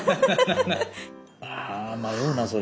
あ迷うなそれ。